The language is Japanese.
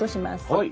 はい。